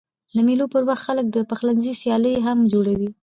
د مېلو پر وخت خلک د پخلنځي سیالۍ هم جوړوي.